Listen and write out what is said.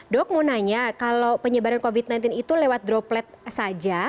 dok mau nanya kalau penyebaran covid sembilan belas itu lewat droplet saja